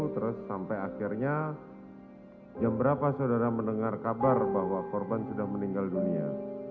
terus sampai akhirnya jam berapa saudara mendengar kabar bahwa korban sudah meninggal dunia